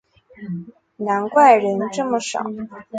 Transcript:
难怪人这么少